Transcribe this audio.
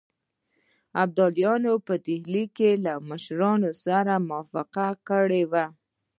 ابدالي په ډهلي کې له مشرانو سره موافقه کړې وه.